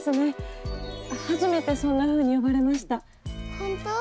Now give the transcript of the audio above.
・本当？